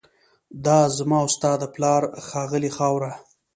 دا زما او ستا د پلار ښاغلې خاوره